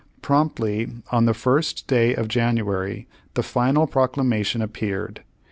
Promptly on the First day of January the final Proclamation ap peared.